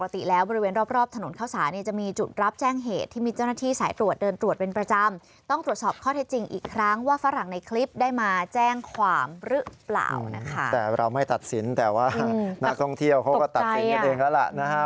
แต่ว่านักท่องเที่ยวเขาก็ตัดสินเดี๋ยวยังเองแล้วล่ะ